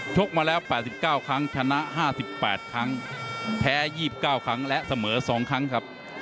กมาแล้ว๘๙ครั้งชนะ๕๘ครั้งแพ้๒๙ครั้งและเสมอ๒ครั้งครับ